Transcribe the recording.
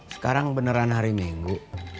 sekarang beneran hari minggu